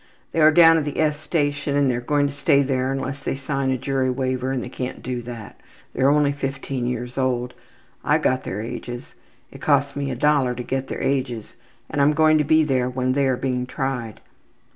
They are down in the S Station and they are going to stay there unless they sign a jury waiver and they can't do that. They are only 15 years old I got their ages it cost me $1 to get their ages and I am going to be there when they are being tried.''